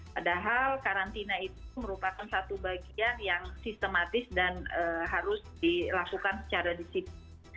padahal karantina itu merupakan satu bagian yang sistematis dan harus dilakukan secara disiplin